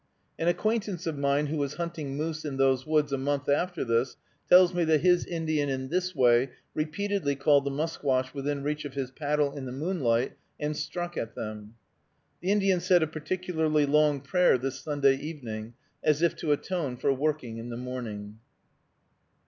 An acquaintance of mine who was hunting moose in those woods a month after this, tells me that his Indian in this way repeatedly called the musquash within reach of his paddle in the moonlight, and struck at them. The Indian said a particularly long prayer this Sunday evening, as if to atone for working in the morning.